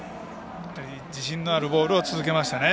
自信のあるボールを続けましたね。